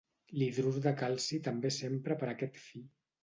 L'hidrur de calci també s'empra per a aquest fi.